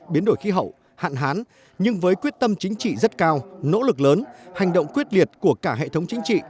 biến đổi khí hậu hạn hán nhưng với quyết tâm chính trị rất cao nỗ lực lớn hành động quyết liệt của cả hệ thống chính trị